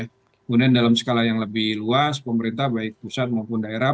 kemudian dalam skala yang lebih luas pemerintah baik pusat maupun daerah